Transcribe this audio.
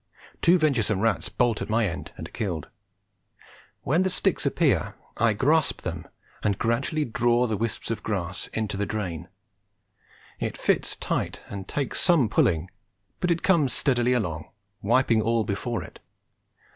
Two venturesome rats bolt at my end and are killed. When the sticks appear I grasp them and gradually draw the whisp of grass into the drain. It fits tight and takes some pulling, but it comes steadily along, wiping all before it.